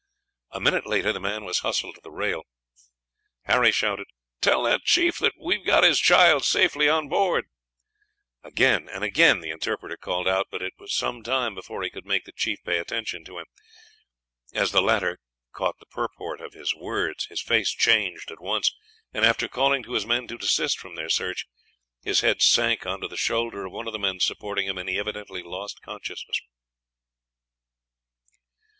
A minute later the man was hustled to the rail. "Tell that chief that we have got his child safely on board," Harry shouted. Again and again the interpreter called out; but it was some time before he could make the chief pay attention to him. As the latter caught the purport of his words his face changed at once, and, after calling to his men to desist from their search, his head sank on to the shoulder of one of the men supporting him, and he evidently lost consciousness.